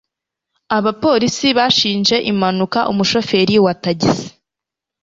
abapolisi bashinje impanuka umushoferi wa tagisi